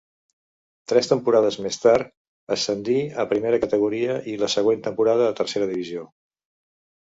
Tres temporades més tard ascendí a Primera Categoria i la següent temporada a Tercera Divisió.